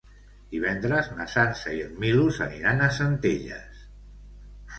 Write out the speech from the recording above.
Divendres na Sança i en Milos aniran a Centelles.